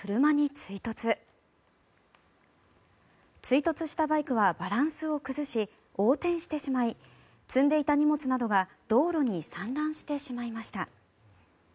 追突したバイクはバランスを崩し横転してしまい積んでいた荷物などが道路に散乱してしまいました。